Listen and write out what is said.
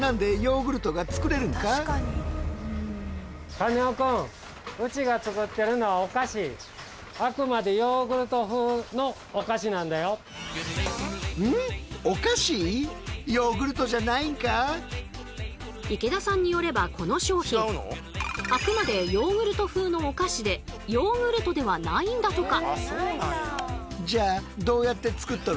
カネオくん池田さんによればこの商品あくまでヨーグルト風のお菓子でヨーグルトではないんだとか。